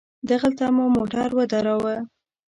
دغلته مو موټر ودراوه.